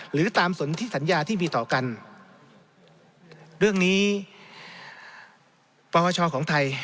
หรือตามสนที่สัญญาที่มีต่อกันเรื่องนี้ประวัติศาสตร์ของไทย